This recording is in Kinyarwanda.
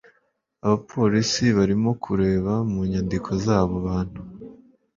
Abapolisi barimo kureba mu nyandiko zabo bantu